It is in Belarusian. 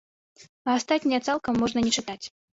А астатняе цалкам можна не чытаць.